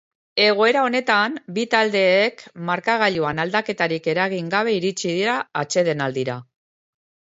Egoera honetan, bi taldeek markagailuan aldaketarik eragin gabe iritsi dira atsedenaldira.